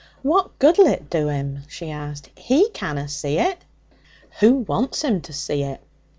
'What good'll it do 'im?' she asked; 'he canna see it.' 'Who wants him to see it?'